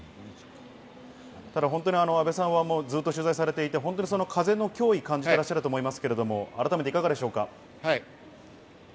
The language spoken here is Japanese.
ただ阿部さんはずっと取材されていて風の脅威を感じていらっしゃると思いますが、改めていかがでしょうか？